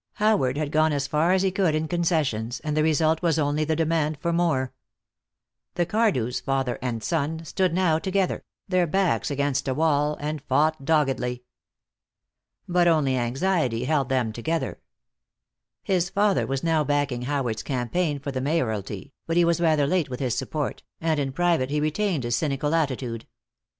Howard had gone as far as he could in concessions, and the result was only the demand for more. The Cardews, father and son, stood now together, their backs against a wall, and fought doggedly. But only anxiety held them together. His father was now backing Howard's campaign for the mayoralty, but he was rather late with his support, and in private he retained his cynical attitude.